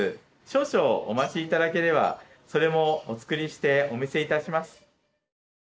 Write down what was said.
少々お待ちいただければそれもお作りしてお見せいたします。